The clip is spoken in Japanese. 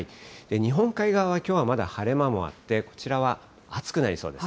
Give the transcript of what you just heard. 日本海側はきょうはまだ晴れ間もあって、こちらは暑くなりそうです。